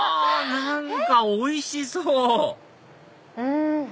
何かおいしそう！